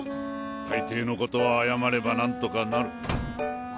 大抵のことは謝れば何とかなる。